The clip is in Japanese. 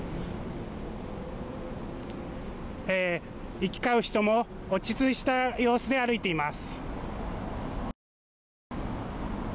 行き交う人も落ち着いた様子で歩いています。